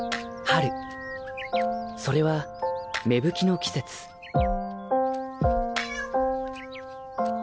春それは芽吹きの季節ニャー。